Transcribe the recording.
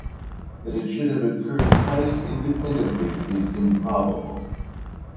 That it should have occurred twice independently is improbable.